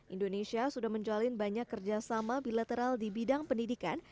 indonesia sudah menjalin banyak kerjasama bilateral di bidang pendidikan